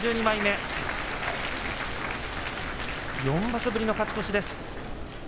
４場所ぶりの勝ち越しです。